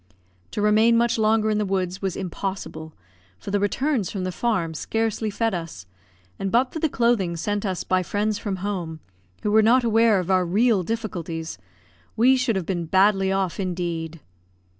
To remain much longer in the woods was impossible, for the returns from the farm scarcely fed us; and but for the clothing sent us by friends from home, who were not aware of our real difficulties, we should have been badly off indeed.